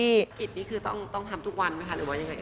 บุยกิจนี้คือต้องทำทุกวันไหมคะหรือไหน